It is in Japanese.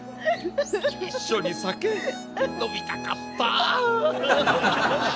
一緒に酒飲みたかった！